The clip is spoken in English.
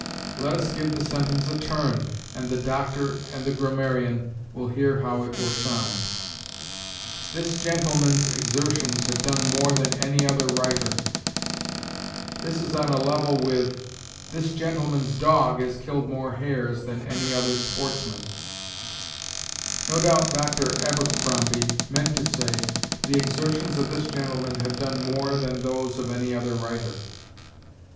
Let us give the sentence a turn, and the Doctor and the grammarian will hear how it will sound. 'This gentleman's exertions have done more than any other writer.' This is on a level with 'This gentleman's dog has killed more hares than any other sportsman.' No doubt Doctor Abercrombie meant to say, 'The exertions of this gentleman have done more than those of any other writer.